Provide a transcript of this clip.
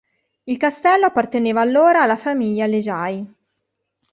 Il castello apparteneva allora alla famiglia Le Jay.